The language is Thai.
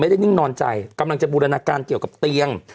นิ่งนอนใจกำลังจะบูรณาการเกี่ยวกับเตียง